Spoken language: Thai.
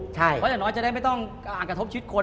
เพราะอย่างน้อยจะได้ไม่ต้องกระทบชิดคน